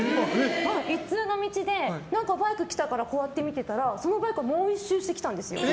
一通の道でバイク来たからこうやって見てたらそのバイクがもう１周してきたんですよ。